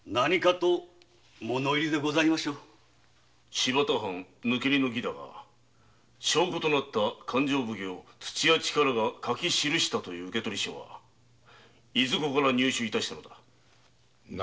新発田藩抜け荷の儀だが証拠となった土屋主税が書き記した受取書はどこから入手したのだ？